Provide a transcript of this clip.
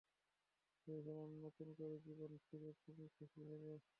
ভেবেছিলাম, নতুন করে জীবন ফিরে তুমি খুশি হবে!